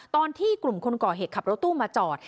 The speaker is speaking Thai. ตอนที่กลุ่มคนก่อเหตุขับรถตู้มาจอด